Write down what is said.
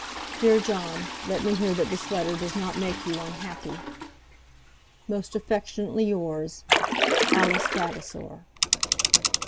Dear John, let me hear that this letter does not make you unhappy. Most affectionately yours, ALICE VAVASOR.